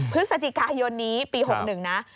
พฤศจิกายนนี้ปี๖๑นะ